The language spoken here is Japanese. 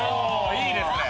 いいですね